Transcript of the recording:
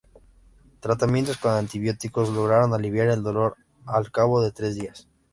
Tratamientos con antibióticos lograron aliviar el dolor al cabo de tres días.